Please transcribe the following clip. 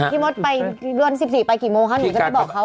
มดไปโดน๑๔ไปกี่โมงคะหนูจะไปบอกเขา